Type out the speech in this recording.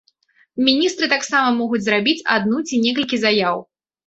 Міністры таксама могуць зрабіць адну ці некалькі заяў.